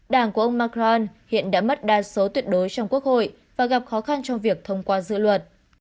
đảng của ông macron hiện đã mất đa số tuyệt đối trong quốc hội và gặp khó khăn trong việc thông qua dự luật